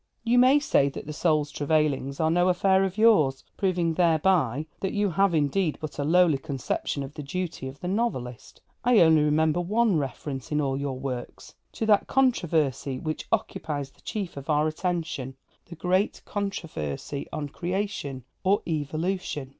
You may say that the soul's travailings are no affair of yours; proving thereby that you have indeed but a lowly conception of the duty of the novelist. I only remember one reference, in all your works, to that controversy which occupies the chief of our attention the great controversy on Creation or Evolution.